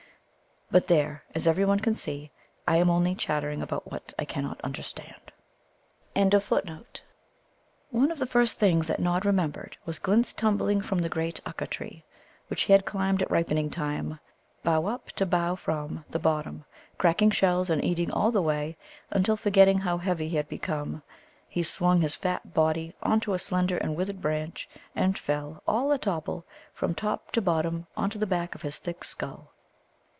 But there, as everyone can see, I am only chattering about what I cannot understand. One of the first things that Nod remembered was Glint's tumbling from the great Ukka tree, which he had climbed at ripening time, bough up to bough from the bottom, cracking shells and eating all the way, until, forgetting how heavy he had become, he swung his fat body on to a slender and withered branch, and fell all a topple from top to bottom on to the back of his thick skull.